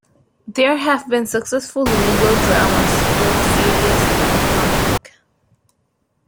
There have been successful legal dramas both serious and comedic.